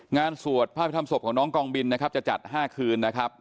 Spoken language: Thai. สวดพระพิธรรมศพของน้องกองบินนะครับจะจัด๕คืนนะครับ